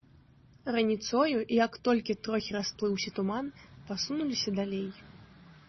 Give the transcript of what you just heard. Раніцою, як толькі трохі расплыўся туман, пасунуліся далей.